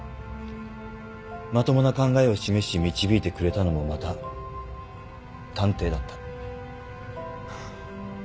まともな考えを示し導いてくれたのもまた探偵だった。